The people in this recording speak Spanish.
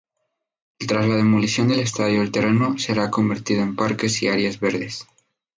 Tras la demolición del estadio el terreno será convertido en Parques y areas verdes.